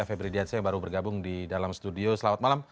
febri diansyah yang baru bergabung di dalam studio selamat malam